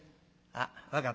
あっ分かった。